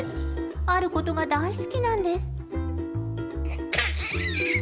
あることが大好きなんです。